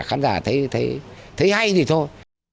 khán giả thấy hay thì thôi